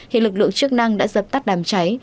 hiện lực lượng chức năng đã dập tắt đám cháy